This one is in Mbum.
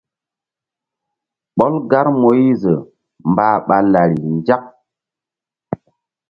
Ɓɔl gar Moyiz mbah ɓa lari nzak.